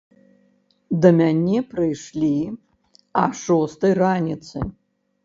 Да мяне прыйшлі а шостай раніцы.